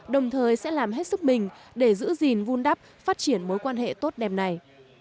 đồng thời sẽ làm hết sức mình để giữ gìn vun đắp phát triển mối quan hệ tốt đẹp này